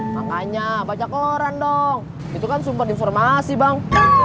makanya baca koran dong itu kan sumber informasi bang